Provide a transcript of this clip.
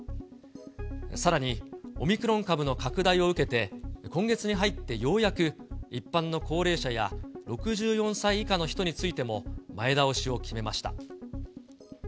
さらにオミクロン株の拡大を受けて、今月に入ってようやく一般の高齢者や６４歳以下の人についても、前倒しを決めました。